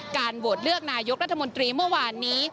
โหวตเลือกนายกรัฐมนตรีเมื่อวานนี้